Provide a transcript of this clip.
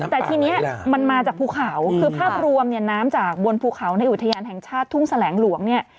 แต่ทีนี้มันมาจากภูเขาคือภาพรวมเนี่ยน้ำจากบนภูเขาในอุทยานแห่งชาติทุ่งแสลงหลวงเนี่ย